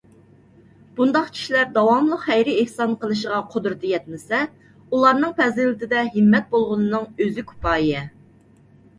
بۇنداق كىشىلەر داۋاملىق خەير - ئېھسان قىلىشىغا قۇدرىتى يەتمىسە، ئۇلارنىڭ پەزىلىتىدە ھىممەت بولغىنىنىڭ ئۆزى كۇپايە.